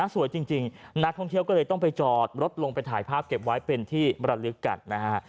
สวยจริงนักท่องเที่ยวก็เลยต้องไปจอดรถลงไปถ่ายภาพเก็บไว้เป็นที่บรรลึกกันนะฮะ